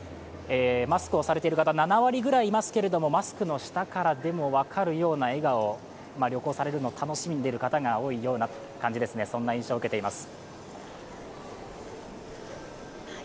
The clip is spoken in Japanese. マスクをされている方、７割くらいいますけれどもマスクの下からでも分かるような笑顔、旅行されるのを楽しんでる方が多い印象を受けています。